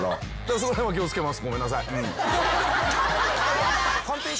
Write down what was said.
その辺は気を付けます。